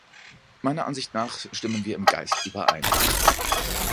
Meiner Ansicht nach stimmen wir im Geist überein.